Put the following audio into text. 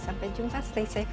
sampai jumpa stay safe bye bye